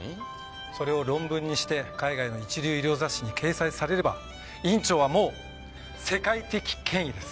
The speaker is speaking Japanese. それを論文にして海外の一流医療雑誌に掲載されれば院長はもう世界的権威です。